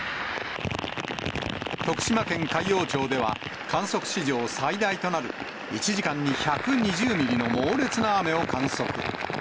徳島県海陽町では、観測史上最大となる１時間に１２０ミリの猛烈な雨を観測。